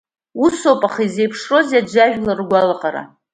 Ус ауп, аха изеиԥшроузеи аџьажәлар ргәалаҟара?